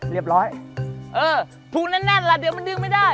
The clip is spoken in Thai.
เรียบร้อยเออพลูกนั้นนั่นแหละเดี๋ยวมันดึงไม่ได้